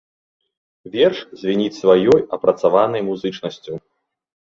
Верш звініць сваёй апрацаванай музычнасцю.